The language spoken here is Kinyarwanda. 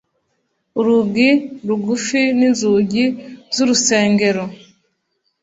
Urugi rugufi n'inzugi z'urusengero